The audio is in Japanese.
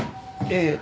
ええ。